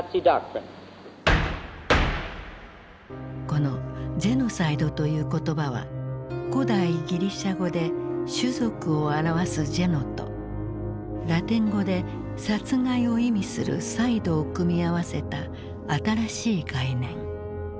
この「ジェノサイド」という言葉は古代ギリシャ語で「種族」を表す「ジェノ」とラテン語で「殺害」を意味する「サイド」を組み合わせた新しい概念。